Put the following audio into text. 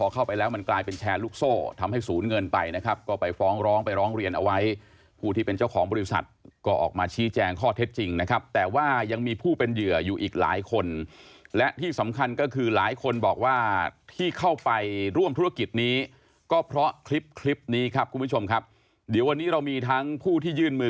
เข้าไปแล้วมันกลายเป็นแชร์ลูกโซ่ทำให้ศูนย์เงินไปนะครับก็ไปฟ้องร้องไปร้องเรียนเอาไว้ผู้ที่เป็นเจ้าของบริษัทก็ออกมาชี้แจงข้อเท็จจริงนะครับแต่ว่ายังมีผู้เป็นเหยื่ออยู่อีกหลายคนและที่สำคัญก็คือหลายคนบอกว่าที่เข้าไปร่วมธุรกิจนี้ก็เพราะคลิปคลิปนี้ครับคุณผู้ชมครับเดี๋ยววันนี้เรามีทั้งผู้ที่ยื่นมือ